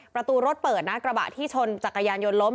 ประตูรถเปิดนะกระบะที่ชนจักรยานยนต์ล้ม